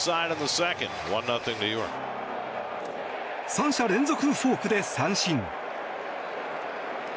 ３者連続フォークで三振。